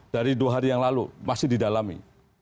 dari dua hari yang lalu masih didalami